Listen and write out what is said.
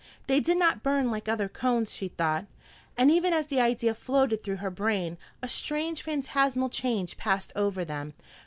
They did not burn like other cones, she thought, and even as the idea floated through her brain, a strange, phantasmal change passed over them.